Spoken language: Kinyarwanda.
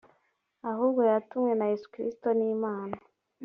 ahubwo yatumwe na yesu kristo n’imana